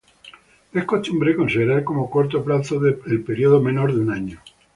Es costumbre considerar como corto plazo el período menor de un año.